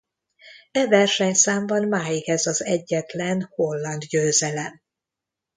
E versenyszámban máig ez az egyetlen holland győzelem.